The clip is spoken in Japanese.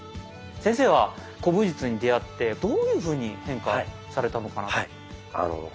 先生は古武術に出会ってどういうふうに変化されたのかなと？